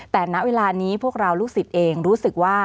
แต่ณเวลานี้พวกเราลูกศิษย์เองรู้สึกว่า